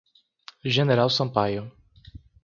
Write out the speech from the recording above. General Sampaio